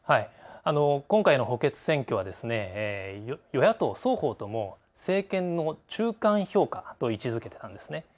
今回の補欠選挙は与野党双方とも政権の中間評価と位置づけたんですね。